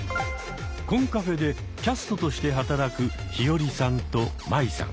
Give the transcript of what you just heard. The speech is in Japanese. コンカフェでキャストとして働くヒヨリさんとマイさん。